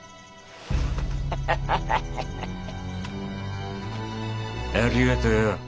ハハハハハハありがとよ。